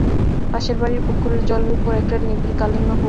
পাশের বাড়ির পুকুরের জলের উপর একটা নিবিড় কালিমা পড়িয়া গেল।